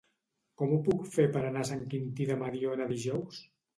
Com ho puc fer per anar a Sant Quintí de Mediona dijous?